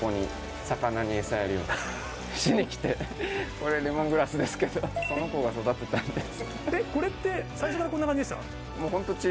これレモングラスですけど、その子が育てたんです。